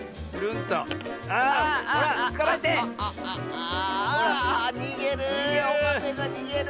あにげる！